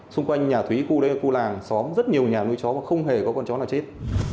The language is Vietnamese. xung quanh nhà thúy khu đây là khu làng xóm rất nhiều nhà nuôi chó và không hề có con chó nào chết